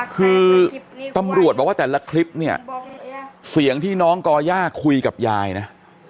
คือตำรวจบอกว่าแต่ละคลิปเนี่ยเสียงที่น้องก่อย่าคุยกับยายนะ